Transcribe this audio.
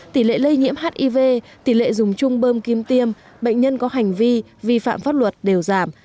tỷ lệ lây nhiễm hiv tỷ lệ dùng chung bơm kim tiêm bệnh nhân có hành vi vi phạm pháp luật đều giảm